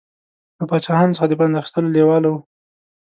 له پاچاهانو څخه د پند اخیستلو لېواله و.